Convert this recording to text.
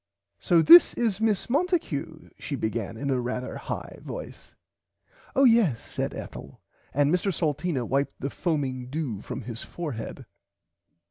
So this is Miss Monticue she began in a rarther high voice. Oh yes said Ethel and Mr Salteena wiped the foaming dew from his forehead.